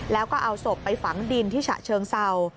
แล้วก็เอาศพไปฝังดินที่ฉะเชิงเศร้า